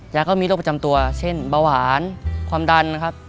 ก็มีโรคประจำตัวเช่นเบาหวานความดันครับ